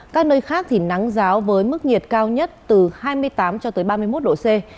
các nơi khác nắng giáo với mức nhiệt cao nhất từ hai mươi tám ba mươi một độ c